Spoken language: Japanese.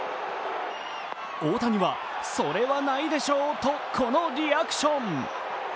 大谷は、それはないでしょうとこのリアクション。